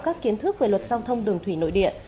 các kiến thức về luật giao thông đường thủy nội địa